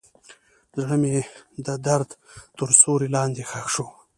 زړه مې د درد تر سیوري لاندې ښخ شو.